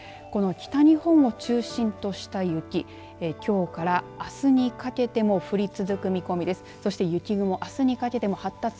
北日本を中心とした雪きょうからあすにかけても降り続く見込みです。